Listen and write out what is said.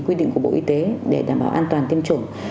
quy định của bộ y tế để đảm bảo an toàn tiêm chủng